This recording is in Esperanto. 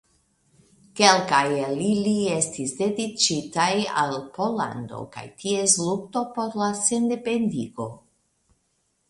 Kelkaj el ili estis dediĉitaj al Pollando kaj ties lukto por la sendependigo.